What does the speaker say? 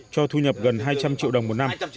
cho thu nhập gần hai trăm linh triệu đồng một năm